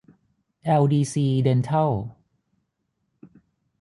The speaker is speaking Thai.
แอลดีซี เด็นทัล